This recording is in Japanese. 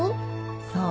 そう。